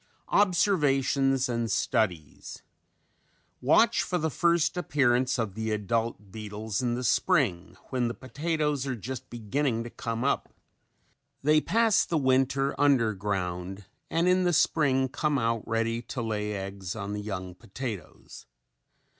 OBSERVATIONS AND STUDIES Watch for the first appearance of the adult beetles in the spring when the potatoes are just beginning to come up. They pass the winter under ground and in the spring come out ready to lay eggs on the young potatoes.